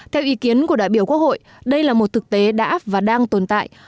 theo ý kiến của đại biểu quốc hội đây là một thực tế đã và đang tồn tại